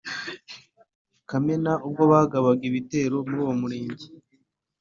Kamena, ubwo bagabaga igitero muri uwo Murenge.